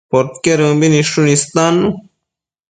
Podquedëmbi nidshun istannu